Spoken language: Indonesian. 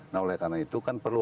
nah oleh karena itu kan perlu